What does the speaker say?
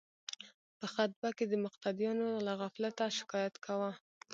په خطبه کې د مقتدیانو له غفلته شکایت کاوه.